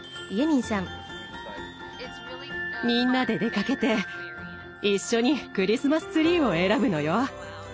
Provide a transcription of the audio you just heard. みんなで出かけて一緒にクリスマスツリーを選ぶのよ。